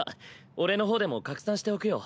俺の方でも拡散しておくよ。